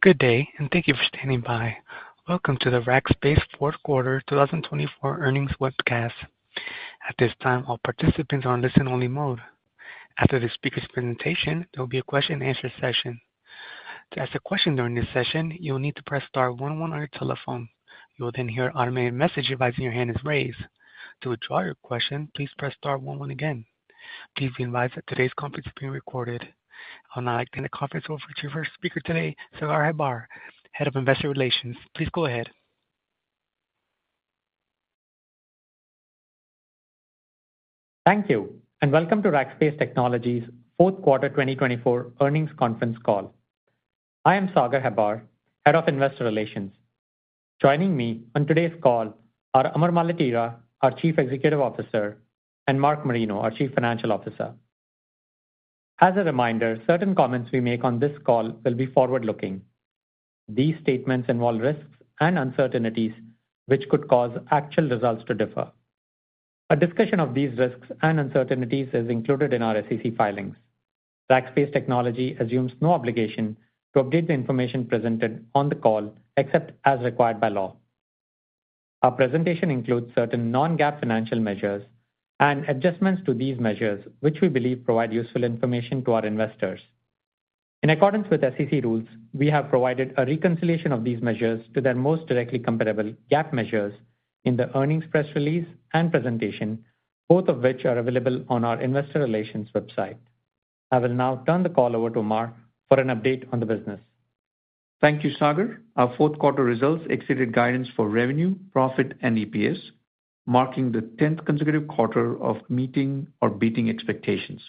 Good day, and thank you for standing by. Welcome to the Rackspace Fourth Quarter 2024 Earnings Webcast. At this time, all participants are on listen-only mode. After the speaker's presentation, there will be a question and answer session. To ask a question during this session, you'll need to press star one one on your telephone. You will then hear an automated message advising your hand is raised. To withdraw your question, please press star one one again. Please be advised that today's conference is being recorded. I would now like to turn the conference over to our first speaker today, Sagar Hebbar, Head of Investor Relations. Please go ahead. Thank you, and welcome to Rackspace Technology's Fourth Quarter 2024 Earnings Conference Call. I am Sagar Hebbar, Head of Investor Relations. Joining me on today's call are Amar Maletira, our Chief Executive Officer, and Mark Marino, our Chief Financial Officer. As a reminder, certain comments we make on this call will be forward-looking. These statements involve risks and uncertainties, which could cause actual results to differ. A discussion of these risks and uncertainties is included in our SEC filings. Rackspace Technology assumes no obligation to update the information presented on the call, except as required by law. Our presentation includes certain non-GAAP financial measures and adjustments to these measures, which we believe provide useful information to our investors. In accordance with SEC rules, we have provided a reconciliation of these measures to their most directly comparable GAAP measures in the earnings press release and presentation, both of which are available on our Investor Relations website. I will now turn the call over to Amar for an update on the business. Thank you, Sagar. Our fourth quarter results exceeded guidance for revenue, profit, and EPS, marking the 10th consecutive quarter of meeting or beating expectations.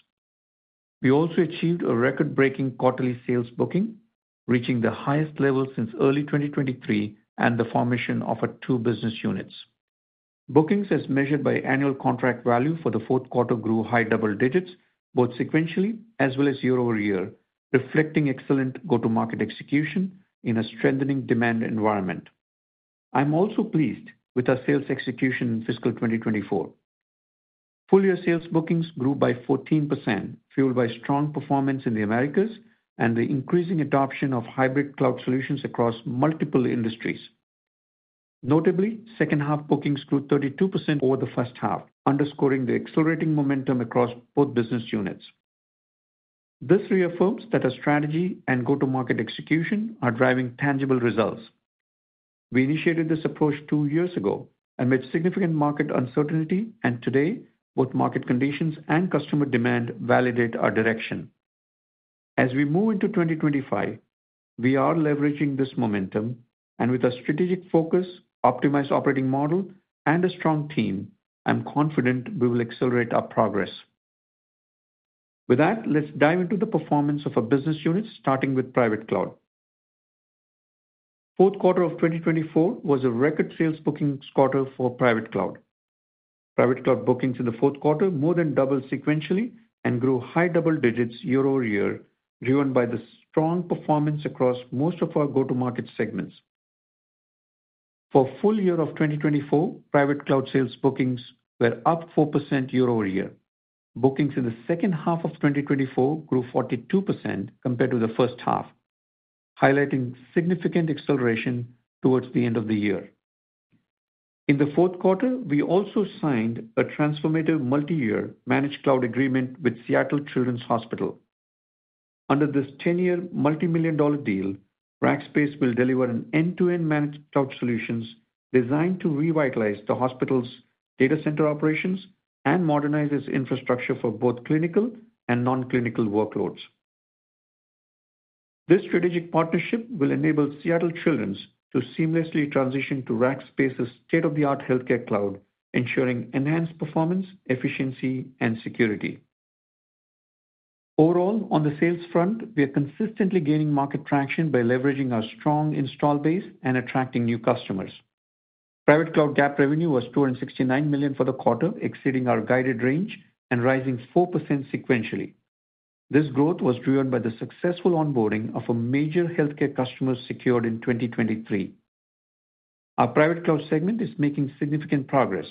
We also achieved a record-breaking quarterly sales booking, reaching the highest level since early 2023 and the formation of our two business units. Bookings, as measured by annual contract value for the fourth quarter, grew high double digits, both sequentially as well as year-over-year, reflecting excellent go-to-market execution in a strengthening demand environment. I'm also pleased with our sales execution in fiscal 2024. Full-year sales bookings grew by 14%, fueled by strong performance in the Americas and the increasing adoption of hybrid cloud solutions across multiple industries. Notably, second-half bookings grew 32% over the first half, underscoring the accelerating momentum across both business units. This reaffirms that our strategy and go-to-market execution are driving tangible results. We initiated this approach two years ago amid significant market uncertainty, and today, both market conditions and customer demand validate our direction. As we move into 2025, we are leveraging this momentum, and with our strategic focus, optimized operating model, and a strong team, I'm confident we will accelerate our progress. With that, let's dive into the performance of our business units, starting with Private Cloud. Fourth quarter of 2024 was a record sales bookings quarter for Private Cloud. Private Cloud bookings in the fourth quarter more than doubled sequentially and grew high double digits year-over-year, driven by the strong performance across most of our go-to-market segments. For the full year of 2024, Private Cloud sales bookings were up 4% year-over-year. Bookings in the second half of 2024 grew 42% compared to the first half, highlighting significant acceleration towards the end of the year. In the fourth quarter, we also signed a transformative multi-year managed cloud agreement with Seattle Children's Hospital. Under this 10-year multi-million dollar deal, Rackspace will deliver an end-to-end managed cloud solution designed to revitalize the hospital's data center operations and modernize its infrastructure for both clinical and non-clinical workloads. This strategic partnership will enable Seattle Children's to seamlessly transition to Rackspace's state-of-the-art healthcare cloud, ensuring enhanced performance, efficiency, and security. Overall, on the sales front, we are consistently gaining market traction by leveraging our strong installed base and attracting new customers. Private Cloud GAAP revenue was $269 million for the quarter, exceeding our guided range and rising 4% sequentially. This growth was driven by the successful onboarding of a major healthcare customer secured in 2023. Our Private Cloud segment is making significant progress,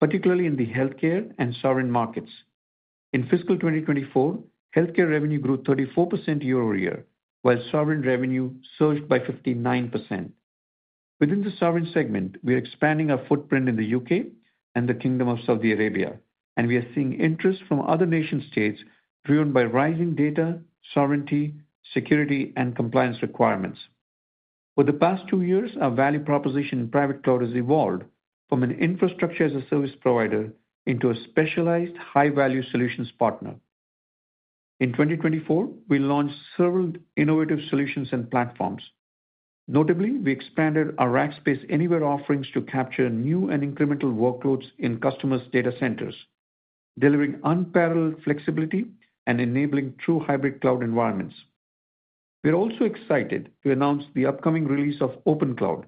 particularly in the Healthcare and Sovereign markets. In fiscal 2024, Healthcare revenue grew 34% year-over-year, while Sovereign revenue surged by 59%. Within the Sovereign segment, we are expanding our footprint in the U.K. and the Kingdom of Saudi Arabia, and we are seeing interest from other nation-states driven by rising data, sovereignty, security, and compliance requirements. For the past two years, our value proposition in Private Cloud has evolved from an infrastructure-as-a-service provider into a specialized, high-value solutions partner. In 2024, we launched several innovative solutions and platforms. Notably, we expanded our Rackspace Anywhere offerings to capture new and incremental workloads in customers' data centers, delivering unparalleled flexibility and enabling true hybrid cloud environments. We are also excited to announce the upcoming release of Open Cloud,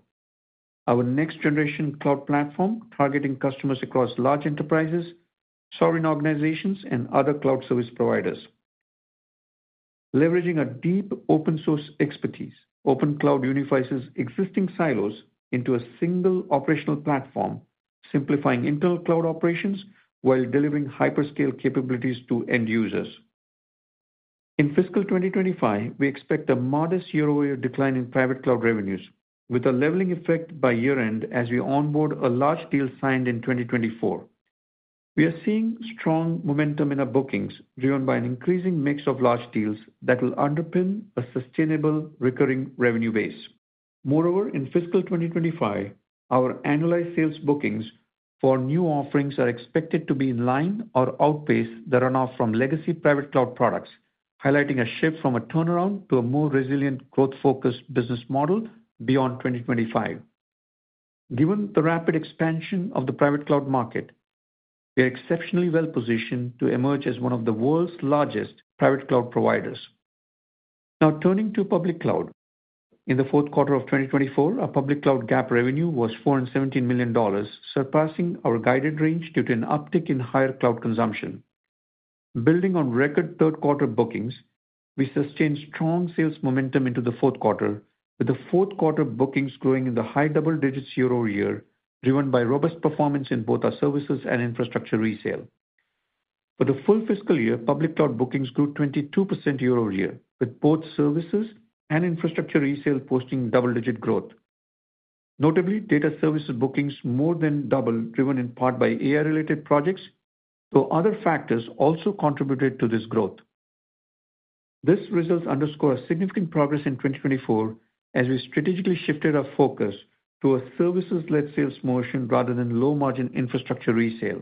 our next-generation cloud platform targeting customers across large enterprises, sovereign organizations, and other cloud service providers. Leveraging our deep open-source expertise, Open Cloud unifies existing silos into a single operational platform, simplifying internal cloud operations while delivering hyperscale capabilities to end users. In fiscal 2025, we expect a modest year-over-year decline in Private Cloud revenues, with a leveling effect by year-end as we onboard a large deal signed in 2024. We are seeing strong momentum in our bookings, driven by an increasing mix of large deals that will underpin a sustainable recurring revenue base. Moreover, in fiscal 2025, our annualized sales bookings for new offerings are expected to be in line or outpace the run-off from legacy Private Cloud products, highlighting a shift from a turnaround to a more resilient, growth-focused business model beyond 2025. Given the rapid expansion of the Private Cloud market, we are exceptionally well-positioned to emerge as one of the world's largest Private Cloud providers. Now, turning to Public Cloud. In the fourth quarter of 2024, our Public Cloud GAAP revenue was $417 million, surpassing our guided range due to an uptick in higher cloud consumption. Building on record third-quarter bookings, we sustained strong sales momentum into the fourth quarter, with the fourth-quarter bookings growing in the high double digits year-over-year, driven by robust performance in both our services and infrastructure resale. For the full fiscal year, Public Cloud bookings grew 22% year-over-year, with both services and infrastructure resale posting double-digit growth. Notably, data services bookings more than doubled, driven in part by AI-related projects, though other factors also contributed to this growth. This results underscore a significant progress in 2024 as we strategically shifted our focus to a services-led sales motion rather than low-margin infrastructure resale.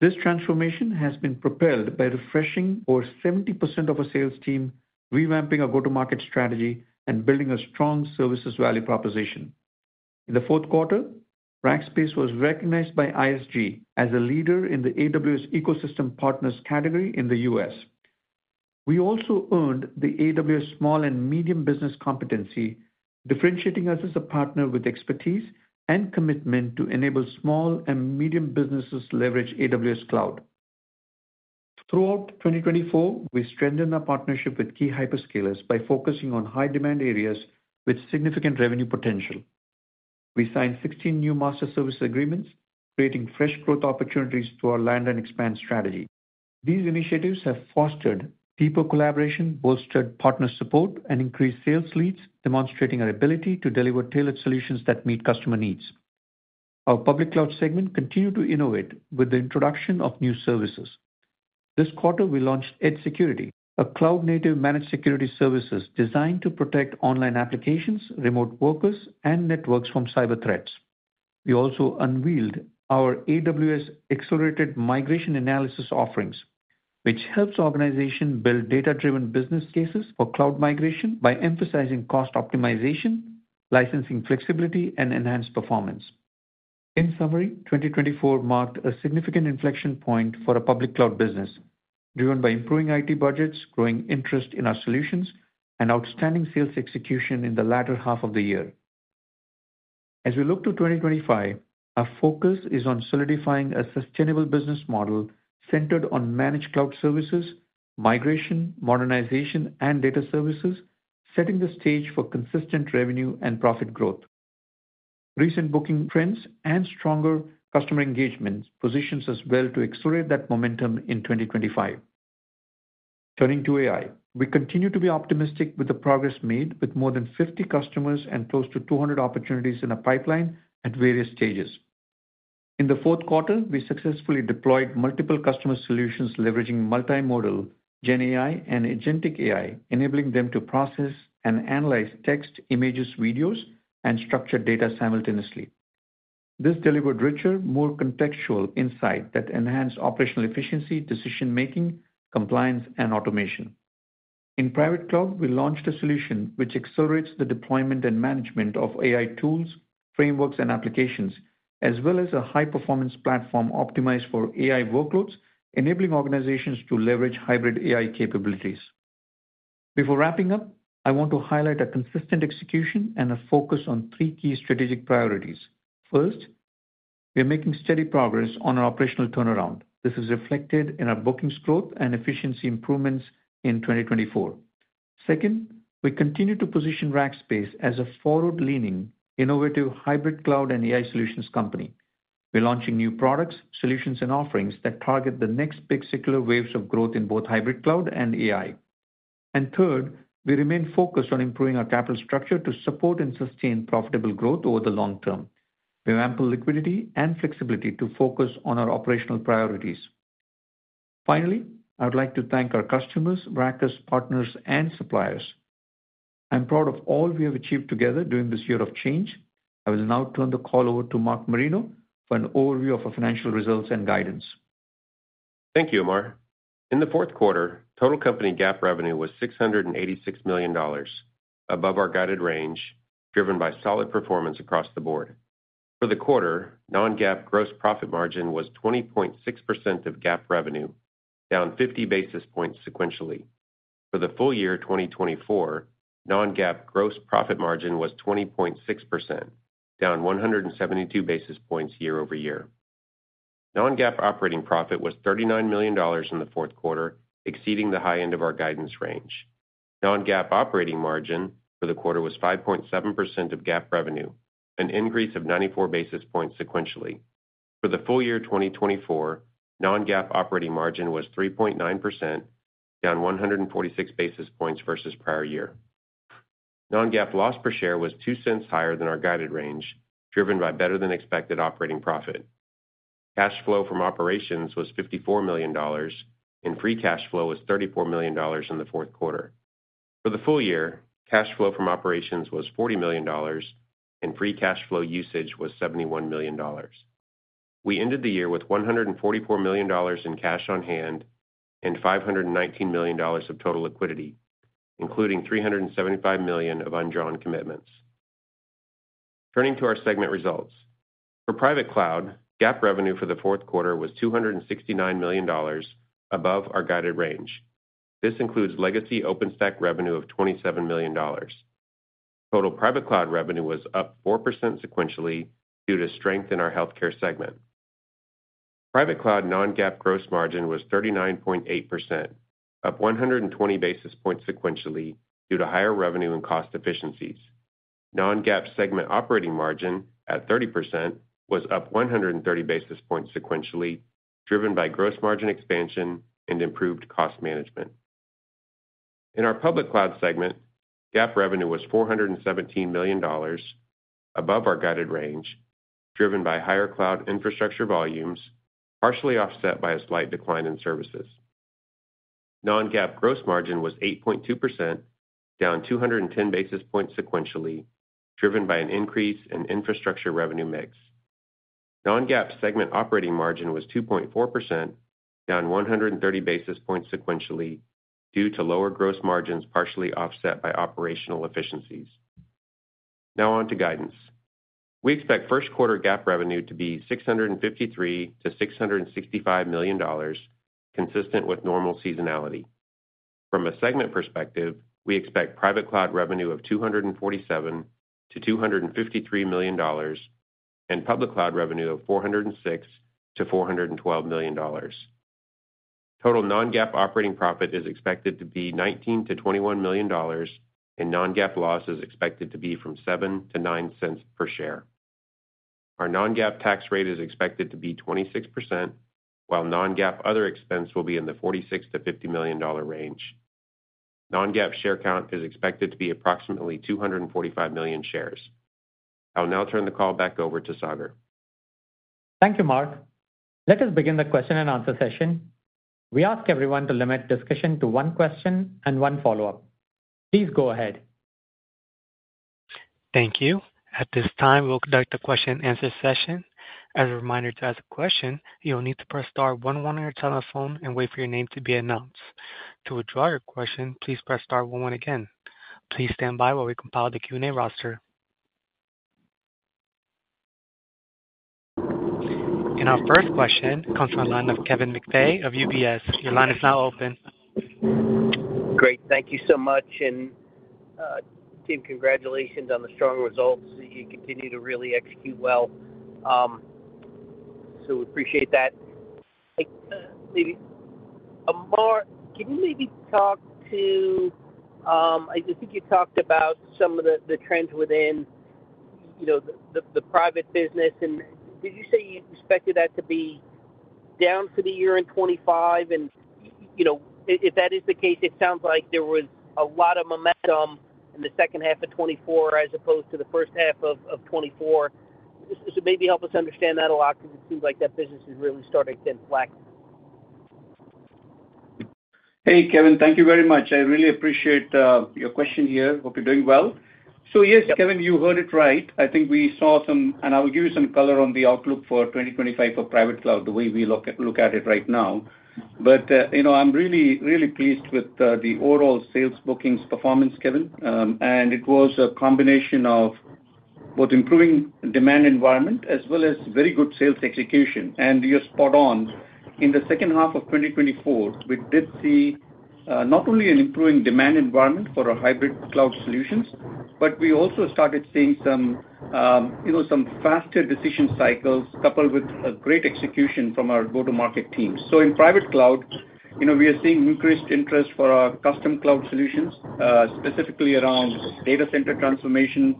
This transformation has been propelled by refreshing over 70% of our sales team, revamping our go-to-market strategy, and building a strong services value proposition. In the fourth quarter, Rackspace was recognized by ISG as a leader in the AWS Ecosystem Partners category in the U.S. We also earned the AWS Small and Medium Business Competency, differentiating us as a partner with expertise and commitment to enable small and medium businesses to leverage AWS Cloud. Throughout 2024, we strengthened our partnership with key hyperscalers by focusing on high-demand areas with significant revenue potential. We signed 16 new master service agreements, creating fresh growth opportunities through our land and expand strategy. These initiatives have fostered deeper collaboration, bolstered partner support, and increased sales leads, demonstrating our ability to deliver tailored solutions that meet customer needs. Our Public Cloud segment continued to innovate with the introduction of new services. This quarter, we launched Edge Security, a cloud-native managed security services designed to protect online applications, remote workers, and networks from cyber threats. We also unveiled our AWS Accelerated Migration Analysis offerings, which helps organizations build data-driven business cases for cloud migration by emphasizing cost optimization, licensing flexibility, and enhanced performance. In summary, 2024 marked a significant inflection point for our Public Cloud business, driven by improving IT budgets, growing interest in our solutions, and outstanding sales execution in the latter half of the year. As we look to 2025, our focus is on solidifying a sustainable business model centered on managed cloud services, migration, modernization, and data services, setting the stage for consistent revenue and profit growth. Recent booking trends and stronger customer engagement position us well to accelerate that momentum in 2025. Turning to AI, we continue to be optimistic with the progress made, with more than 50 customers and close to 200 opportunities in the pipeline at various stages. In the fourth quarter, we successfully deployed multiple customer solutions leveraging multimodal GenAI and agentic AI, enabling them to process and analyze text, images, videos, and structured data simultaneously. This delivered richer, more contextual insight that enhanced operational efficiency, decision-making, compliance, and automation. In Private Cloud, we launched a solution which accelerates the deployment and management of AI tools, frameworks, and applications, as well as a high-performance platform optimized for AI workloads, enabling organizations to leverage hybrid AI capabilities. Before wrapping up, I want to highlight a consistent execution and a focus on three key strategic priorities. First, we are making steady progress on our operational turnaround. This is reflected in our bookings growth and efficiency improvements in 2024. Second, we continue to position Rackspace as a forward-leaning, innovative hybrid cloud and AI solutions company. We are launching new products, solutions, and offerings that target the next big secular waves of growth in both hybrid cloud and AI. And third, we remain focused on improving our capital structure to support and sustain profitable growth over the long term. We have ample liquidity and flexibility to focus on our operational priorities. Finally, I would like to thank our customers, Rackers, partners, and suppliers. I'm proud of all we have achieved together during this year of change. I will now turn the call over to Mark Marino for an overview of our financial results and guidance. Thank you, Amar. In the fourth quarter, total company GAAP revenue was $686 million, above our guided range, driven by solid performance across the board. For the quarter, non-GAAP gross profit margin was 20.6% of GAAP revenue, down 50 basis points sequentially. For the full year 2024, non-GAAP gross profit margin was 20.6%, down 172 basis points year-over-year. Non-GAAP operating profit was $39 million in the fourth quarter, exceeding the high end of our guidance range. Non-GAAP operating margin for the quarter was 5.7% of GAAP revenue, an increase of 94 basis points sequentially. For the full year 2024, non-GAAP operating margin was 3.9%, down 146 basis points versus prior year. Non-GAAP loss per share was $0.02 higher than our guided range, driven by better-than-expected operating profit. Cash flow from operations was $54 million, and free cash flow was $34 million in the fourth quarter. For the full year, cash flow from operations was $40 million, and free cash flow usage was $71 million. We ended the year with $144 million in cash on hand and $519 million of total liquidity, including $375 million of undrawn commitments. Turning to our segment results, for Private Cloud, GAAP revenue for the fourth quarter was $269 million, above our guided range. This includes legacy OpenStack revenue of $27 million. Total Private Cloud revenue was up 4% sequentially due to strength in our Healthcare segment. Private Cloud Non-GAAP gross margin was 39.8%, up 120 basis points sequentially due to higher revenue and cost efficiencies. Non-GAAP segment operating margin at 30% was up 130 basis points sequentially, driven by gross margin expansion and improved cost management. In our Public Cloud segment, GAAP revenue was $417 million, above our guided range, driven by higher cloud infrastructure volumes, partially offset by a slight decline in services. Non-GAAP gross margin was 8.2%, down 210 basis points sequentially, driven by an increase in infrastructure revenue mix. Non-GAAP segment operating margin was 2.4%, down 130 basis points sequentially due to lower gross margins partially offset by operational efficiencies. Now on to guidance. We expect first quarter GAAP revenue to be $653 million-$665 million, consistent with normal seasonality. From a segment perspective, we expect Private Cloud revenue of $247 million-$253 million, and Public Cloud revenue of $406 million-$412 million. Total non-GAAP operating profit is expected to be $19 million-$21 million, and non-GAAP loss is expected to be from $0.07-$0.09 per share. Our non-GAAP tax rate is expected to be 26%, while non-GAAP other expense will be in the $46 million-$50 million range. Non-GAAP share count is expected to be approximately 245 million shares. I'll now turn the call back over to Sagar. Thank you, Mark. Let us begin the question and answer session. We ask everyone to limit discussion to one question and one follow-up. Please go ahead. Thank you. At this time, we'll conduct a question and answer session. As a reminder, to ask a question, you'll need to press star one one on your telephone and wait for your name to be announced. To withdraw your question, please press star one one again. Please stand by while we compile the Q&A roster, and our first question comes from the line of Kevin McVeigh of UBS. Your line is now open. Great. Thank you so much, and team, congratulations on the strong results. You continue to really execute well, so we appreciate that. Hey, maybe, Amar, can you maybe talk to, I think you talked about some of the trends within, you know, the private business, and did you say you expected that to be down for the year in 2025, and you know, if that is the case, it sounds like there was a lot of momentum in the second half of 2024 as opposed to the first half of 2024, so maybe help us understand that a lot because it seems like that business is really starting to lack. Hey, Kevin, thank you very much. I really appreciate your question here. Hope you're doing well. So yes, Kevin, you heard it right. I think we saw some, and I will give you some color on the outlook for 2025 for Private Cloud, the way we look at it right now. But you know, I'm really, really pleased with the overall sales bookings performance, Kevin, and it was a combination of both improving demand environment as well as very good sales execution. And you're spot on. In the second half of 2024, we did see not only an improving demand environment for our Hybrid Cloud solutions, but we also started seeing some you know, some faster decision cycles coupled with a great execution from our go-to-market team. So in Private Cloud, you know, we are seeing increased interest for our custom cloud solutions, specifically around data center transformation,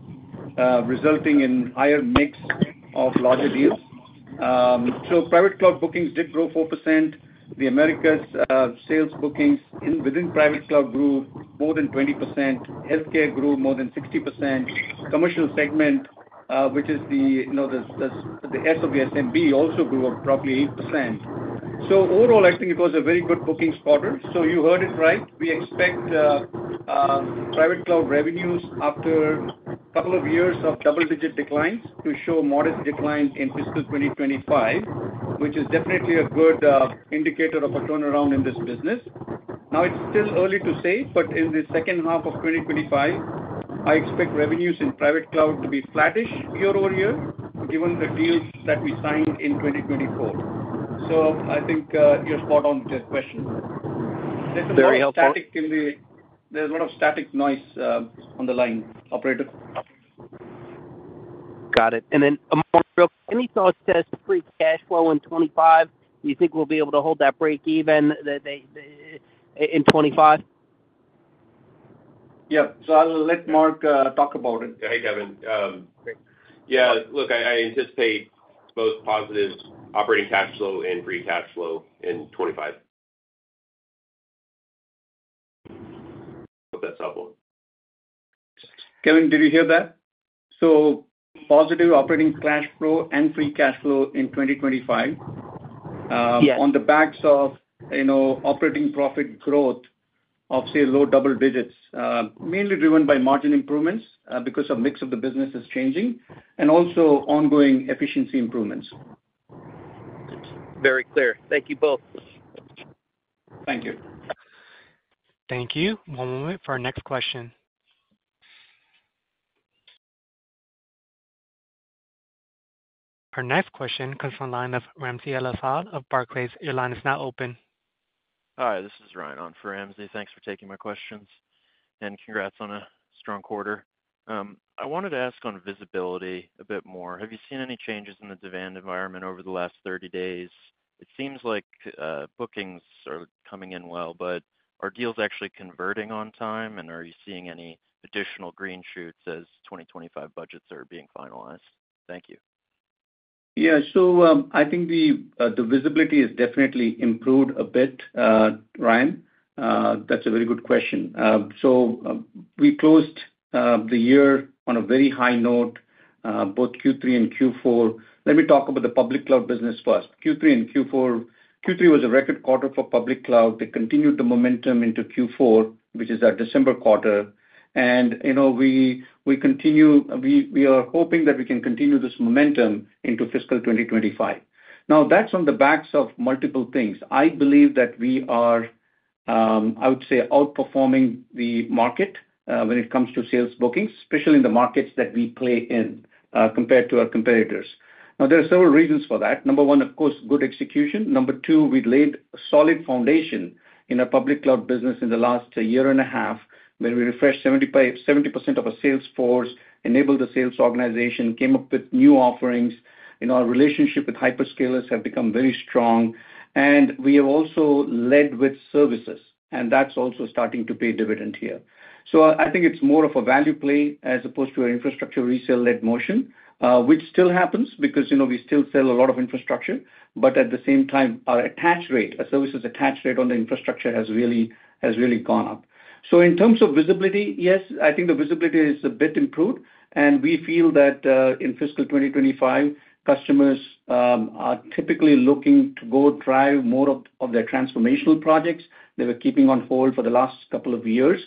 resulting in higher mix of larger deals. So Private Cloud bookings did grow 4%. The Americas sales bookings within Private Cloud grew more than 20%. Healthcare grew more than 60%. Commercial segment, which is the, you know, the SMB also grew roughly 8%. So overall, I think it was a very good bookings quarter. So you heard it right. We expect Private Cloud revenues after a couple of years of double-digit declines to show modest declines in fiscal 2025, which is definitely a good indicator of a turnaround in this business. Now, it's still early to say, but in the second half of 2025, I expect revenues in Private Cloud to be flattish year-over-year, given the deals that we signed in 2024. So I think, you're spot on with that question. There's a lot of static noise on the line, operator. Got it. And then, Amar, any thoughts as to free cash flow in 2025? Do you think we'll be able to hold that break-even in 2025? Yeah. So I'll let Mark talk about it. Hey, Kevin. Yeah, look, I anticipate both positive operating cash flow and free cash flow in 2025. Hope that's helpful. Kevin, did you hear that? So positive operating cash flow and free cash flow in 2025, on the backs of, you know, operating profit growth of, say, low double digits, mainly driven by margin improvements, because the mix of the business is changing, and also ongoing efficiency improvements. Very clear. Thank you both. Thank you. Thank you. One moment for our next question. Our next question comes from the line of Ramsey El-Assal of Barclays. Your line is now open. Hi, this is Ryan on for Ramsey. Thanks for taking my questions. And congrats on a strong quarter. I wanted to ask on visibility a bit more. Have you seen any changes in the demand environment over the last 30 days? It seems like bookings are coming in well, but are deals actually converting on time? And are you seeing any additional green shoots as 2025 budgets are being finalized? Thank you. Yeah. So, I think the visibility has definitely improved a bit, Ryan. That's a very good question. We closed the year on a very high note, both Q3 and Q4. Let me talk about the Public Cloud business first. Q3 and Q4, Q3 was a record quarter for Public Cloud. They continued the momentum into Q4, which is our December quarter. And, you know, we continue. We are hoping that we can continue this momentum into fiscal 2025. Now, that's on the backs of multiple things. I believe that we are, I would say, outperforming the market, when it comes to sales bookings, especially in the markets that we play in, compared to our competitors. Now, there are several reasons for that. Number one, of course, good execution. Number two, we laid a solid foundation in our Public Cloud business in the last year and a half, where we refreshed 70% of our sales force, enabled the sales organization, came up with new offerings, you know. Our relationship with hyperscalers has become very strong, and we have also led with services, and that's also starting to pay dividend here, so I think it's more of a value play as opposed to an infrastructure resale-led motion, which still happens because, you know, we still sell a lot of infrastructure, but at the same time, our attach rate, our services attach rate on the infrastructure has really gone up, so in terms of visibility, yes, I think the visibility is a bit improved. We feel that, in fiscal 2025, customers are typically looking to go drive more of their transformational projects they were keeping on hold for the last couple of years.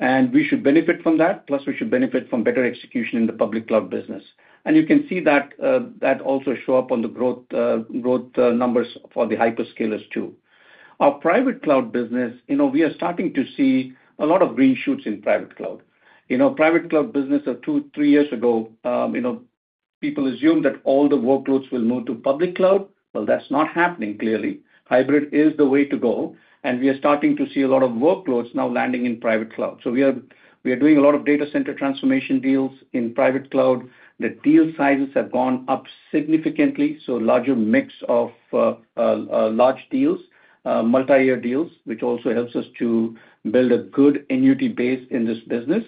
We should benefit from that. Plus, we should benefit from better execution in the Public Cloud business. You can see that that also show up on the growth numbers for the hyperscalers too. Our Private Cloud business, you know, we are starting to see a lot of green shoots in Private Cloud. You know, Private Cloud business of two, three years ago, you know, people assumed that all the workloads will move to Public Cloud. Well, that's not happening, clearly. Hybrid is the way to go. We are starting to see a lot of workloads now landing in Private Cloud. So we are doing a lot of data center transformation deals in Private Cloud. The deal sizes have gone up significantly, so larger mix of large deals, multi-year deals, which also helps us to build a good annuity base in this business,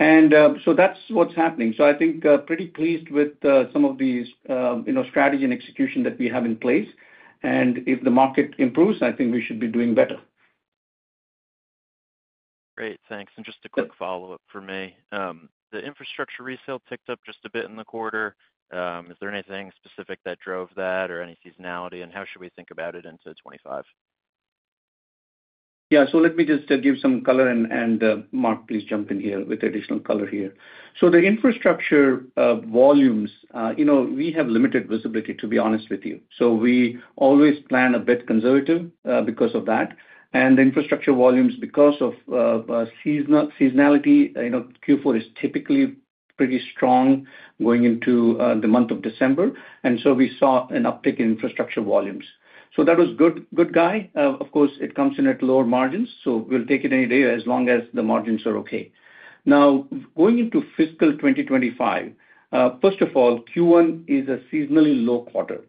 and so that's what's happening, so I think, pretty pleased with some of these, you know, strategy and execution that we have in place, and if the market improves, I think we should be doing better. Great. Thanks. And just a quick follow-up for me. The infrastructure resale ticked up just a bit in the quarter. Is there anything specific that drove that or any seasonality? And how should we think about it into 2025? Yeah. So let me just give some color and Mark, please jump in here with additional color here. So the infrastructure volumes, you know, we have limited visibility, to be honest with you. So we always plan a bit conservative, because of that. And the infrastructure volumes, because of seasonality, you know, Q4 is typically pretty strong going into the month of December. And so we saw an uptick in infrastructure volumes. So that was good, good guy. Of course, it comes in at lower margins. So we'll take it any day as long as the margins are okay. Now, going into fiscal 2025, first of all, Q1 is a seasonally low quarter.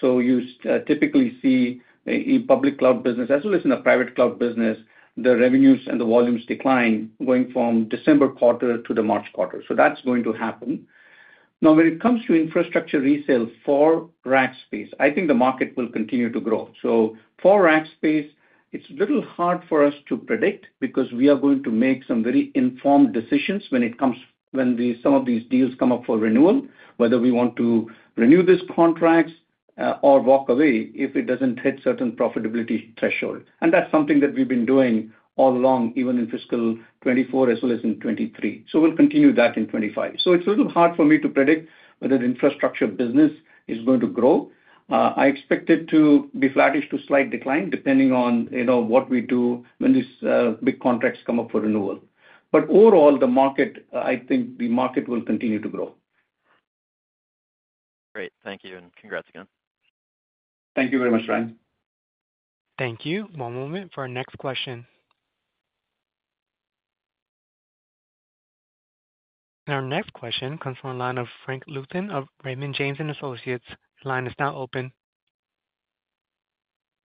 So you typically see in Public Cloud business, as well as in the Private Cloud business, the revenues and the volumes decline going from December quarter to the March quarter. So that's going to happen. Now, when it comes to infrastructure resale for Rackspace, I think the market will continue to grow. So for Rackspace, it's a little hard for us to predict because we are going to make some very informed decisions when it comes, when some of these deals come up for renewal, whether we want to renew these contracts, or walk away if it doesn't hit certain profitability threshold. And that's something that we've been doing all along, even in fiscal 2024 as well as in 2023. So we'll continue that in 2025. So it's a little hard for me to predict whether the infrastructure business is going to grow. I expect it to be flattish to slight decline depending on, you know, what we do when these, big contracts come up for renewal. But overall, the market, I think the market will continue to grow. Great. Thank you, and congrats again. Thank you very much, Ryan. Thank you. One moment for our next question. And our next question comes from the line of Frank Louthan of Raymond James & Associates. Your line is now open.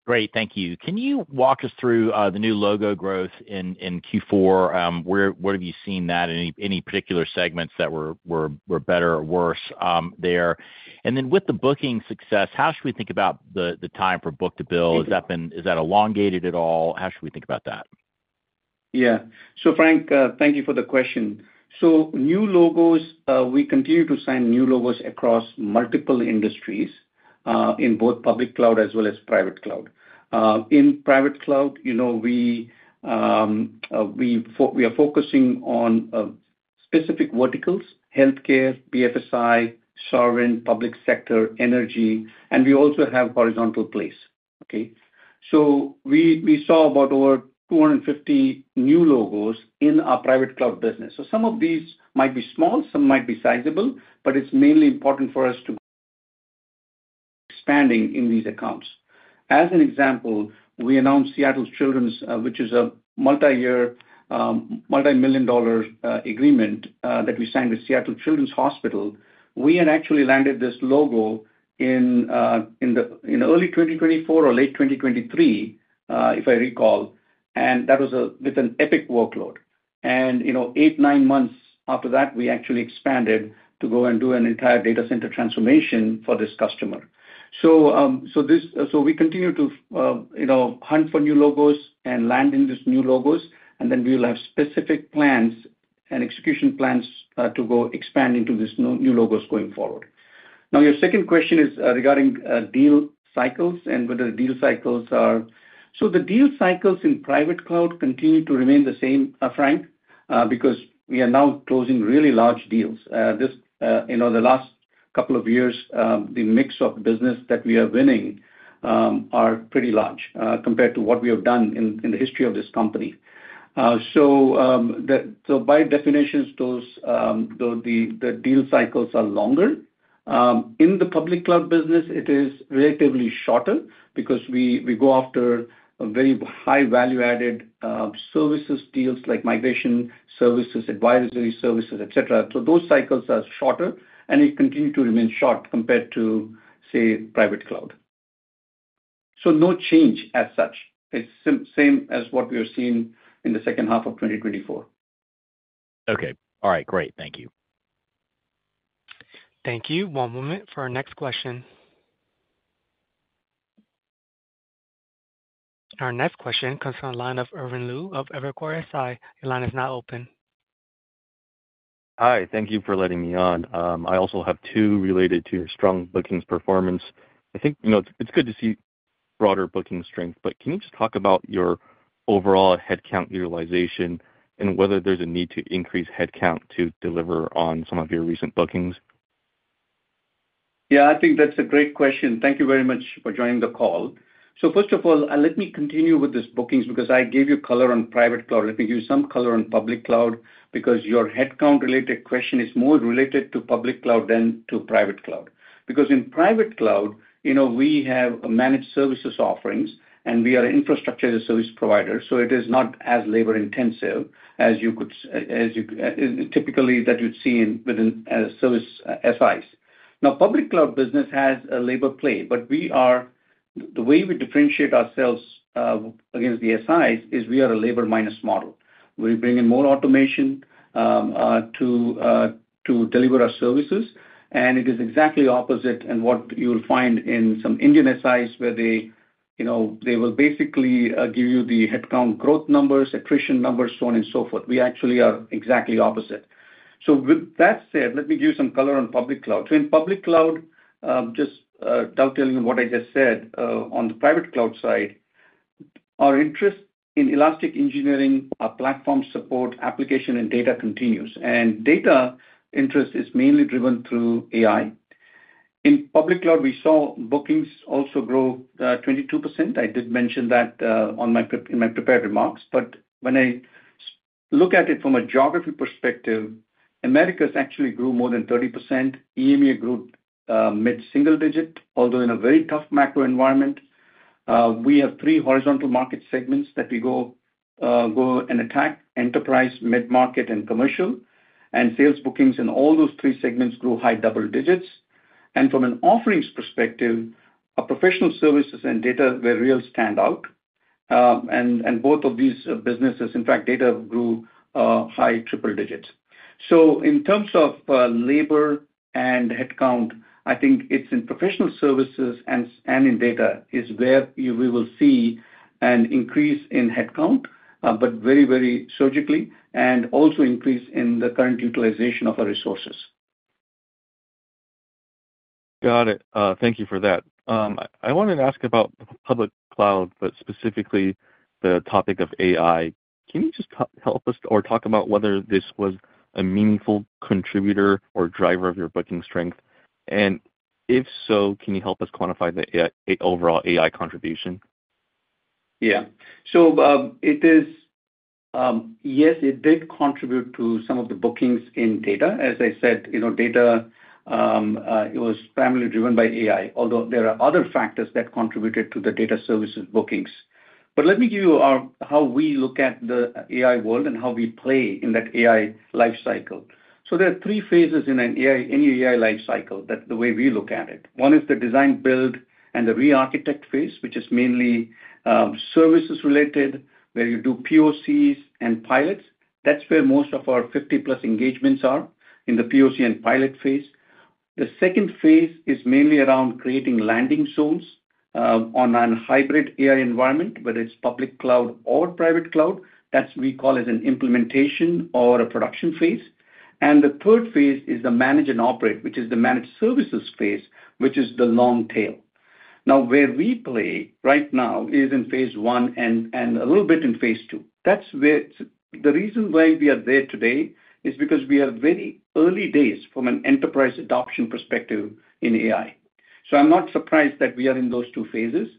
Great. Thank you. Can you walk us through the new logo growth in Q4? Where have you seen that? Any particular segments that were better or worse there? And then with the booking success, how should we think about the time for book to bill? Has that been, is that elongated at all? How should we think about that? Yeah. So, Frank, thank you for the question. So new logos, we continue to sign new logos across multiple industries, in both Public Cloud as well as Private Cloud. In Private Cloud, you know, we are focusing on specific verticals: healthcare, BFSI, sovereign, public sector, energy. And we also have horizontal plays. Okay? So we saw over 250 new logos in our Private Cloud business. So some of these might be small, some might be sizable, but it's mainly important for us to expanding in these accounts. As an example, we announced Seattle Children's, which is a multi-year, multi-million-dollar agreement that we signed with Seattle Children's Hospital. We had actually landed this logo in early 2024 or late 2023, if I recall. And that was with an Epic workload. You know, eight, nine months after that, we actually expanded to go and do an entire data center transformation for this customer. This, we continue to, you know, hunt for new logos and land in these new logos. Then we will have specific plans and execution plans to go expand into these new logos going forward. Now, your second question is regarding deal cycles and whether deal cycles are. The deal cycles in Private Cloud continue to remain the same, Frank, because we are now closing really large deals. This, you know, the last couple of years, the mix of business that we are winning are pretty large compared to what we have done in the history of this company. By definition, those, though the deal cycles are longer. In the Public Cloud business, it is relatively shorter because we go after a very high value-added services deals like migration services, advisory services, etc. So those cycles are shorter, and they continue to remain short compared to, say, Private Cloud. So no change as such. It's the same as what we are seeing in the second half of 2024. Okay. All right. Great. Thank you. Thank you. One moment for our next question, and our next question comes from the line of Irvin Liu of Evercore ISI. Your line is now open. Hi. Thank you for letting me on. I also have two related to your strong bookings performance. I think, you know, it's, it's good to see broader booking strength, but can you just talk about your overall headcount utilization and whether there's a need to increase headcount to deliver on some of your recent bookings? Yeah. I think that's a great question. Thank you very much for joining the call. So first of all, let me continue with this bookings because I gave you color on Private Cloud. Let me give you some color on Public Cloud because your headcount-related question is more related to Public Cloud than to Private Cloud. Because in Private Cloud, you know, we have managed services offerings, and we are an infrastructure as a service provider. So it is not as labor-intensive as you typically that you'd see in service SIs. Now, Public Cloud business has a labor play, but we are the way we differentiate ourselves against the SIs is we are a labor-minus model. We bring in more automation to deliver our services. It is exactly opposite than what you will find in some Indian SIs where they, you know, they will basically, give you the headcount growth numbers, attrition numbers, so on and so forth. We actually are exactly opposite. With that said, let me give you some color on Public Cloud. In Public Cloud, just, dovetailing on what I just said, on the Private Cloud side, our interest in elastic engineering, platform support, application, and data continues. And data interest is mainly driven through AI. In Public Cloud, we saw bookings also grow 22%. I did mention that, on my prep, in my prepared remarks. When I look at it from a geography perspective, Americas actually grew more than 30%. EMEA grew mid-single digit, although in a very tough macro environment. We have three horizontal market segments that we go and attack: enterprise, mid-market, and commercial. Sales bookings in all those three segments grew high double digits. From an offerings perspective, professional services and data were real standouts. And both of these businesses, in fact, data grew high triple digits. In terms of labor and headcount, I think it's in professional services and in data where we will see an increase in headcount, but very, very surgically, and also an increase in the current utilization of our resources. Got it. Thank you for that. I wanted to ask about the Public Cloud, but specifically the topic of AI. Can you just help us or talk about whether this was a meaningful contributor or driver of your booking strength? And if so, can you help us quantify the AI, overall AI contribution? Yeah. So, it is, yes, it did contribute to some of the bookings in data. As I said, you know, data, it was primarily driven by AI, although there are other factors that contributed to the data services bookings. But let me give you our how we look at the AI world and how we play in that AI lifecycle. So there are three phases in an AI, any AI lifecycle that the way we look at it. One is the design, build, and the re-architect phase, which is mainly services-related where you do POCs and pilots. That's where most of our 50+ engagements are in the POC and pilot phase. The second phase is mainly around creating landing zones on a hybrid AI environment, whether it's Public Cloud or Private Cloud. That's what we call as an implementation or a production phase. The third phase is the manage and operate, which is the managed services phase, which is the long tail. Now, where we play right now is in phase one and a little bit in phase two. That's where the reason why we are there today is because we are very early days from an enterprise adoption perspective in AI. I'm not surprised that we are in those two phases.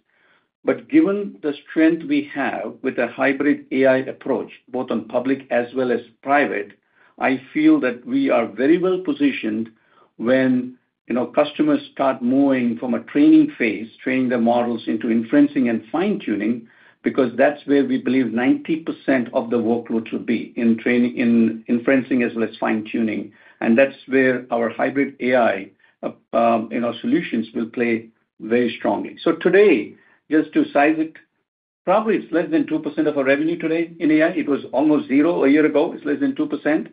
Given the strength we have with a hybrid AI approach, both on public as well as private, I feel that we are very well positioned when, you know, customers start moving from a training phase, training the models into inferencing and fine-tuning, because that's where we believe 90% of the workload should be in training, in inferencing as well as fine-tuning. That's where our hybrid AI, you know, solutions will play very strongly. So today, just to size it, probably it's less than 2% of our revenue today in AI. It was almost zero a year ago. It's less than 2%.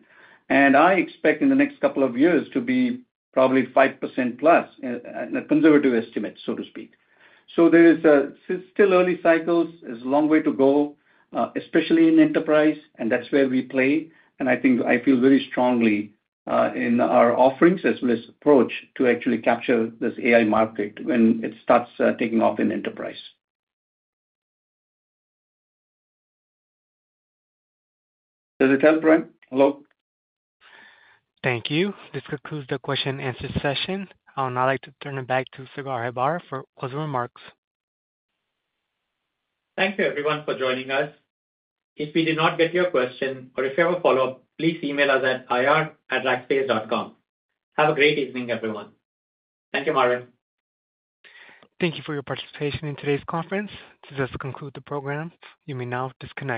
And I expect in the next couple of years to be probably 5%+, a conservative estimate, so to speak. So there is, still early cycles. There's a long way to go, especially in enterprise. And that's where we play. And I think I feel very strongly, in our offerings as well as approach to actually capture this AI market when it starts, taking off in enterprise. Does it help, Irvin? Hello? Thank you. This concludes the question and answer session. I would now like to turn it back to Sagar Hebbar for closing remarks. Thank you, everyone, for joining us. If we did not get your question or if you have a follow-up, please email us at ir@rackspace.com. Have a great evening, everyone. Thank you. Thank you for your participation in today's conference. This does conclude the program. You may now disconnect.